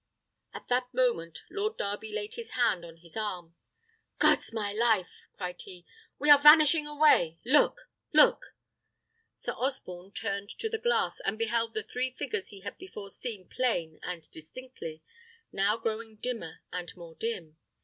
At that moment Lord Darby laid his hand on his arm. "God's my life!" cried he, "we are vanishing away. Look, look!" Sir Osborne turned to the glass, and beheld the three figures he had before seen plain and distinctly, now growing dimmer and more dim.